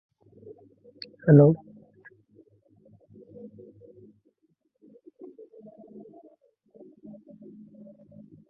শান্তি ঘোষ ও সুনীতি চৌধুরী কুমিল্লার ফয়জুন্নেসা বালিকা বিদ্যালয়ের ছাত্রী ছিলেন।